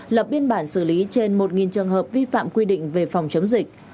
lập biên bản xử lý trên một trường hợp vi phạm quy định về phòng chống dịch